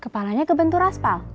makanya ke benturas pak